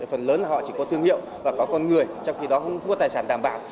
phần lớn là họ chỉ có thương hiệu và có con người trong khi đó không có tài sản đảm bảo